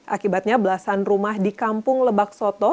akibatnya belasan rumah di kampung lebak soto